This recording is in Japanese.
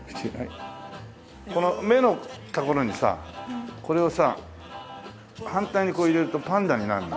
この目のところにさこれをさ反対にこう入れるとパンダになるな。